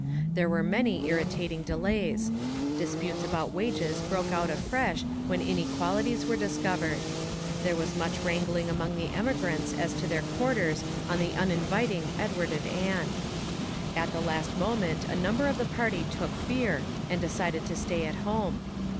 There were many irritating delays. Disputes about wages broke out afresh when inequalities were discovered. There was much wrangling among the emigrants as to their quarters on the uninviting Edward and Ann. At the last moment a number of the party took fear and decided to stay at home.